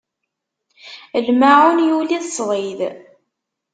Lmaɛun yuli-t ṣdid.